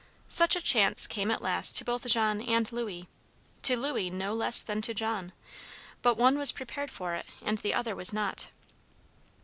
Such a chance came at last to both Jean and Louis, to Louis no less than to Jean; but one was prepared for it, and the other was not.